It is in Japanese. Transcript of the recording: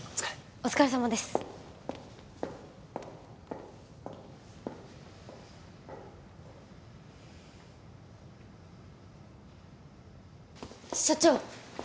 お疲れさまです社長